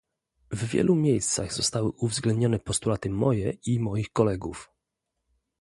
W wielu miejscach zostały uwzględnione postulaty moje i moich kolegów